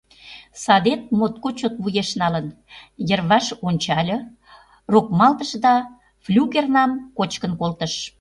садет моткоч чот вуеш налын: йырваш ончале, рокмалтыш да флюгернам кочкын колтыш.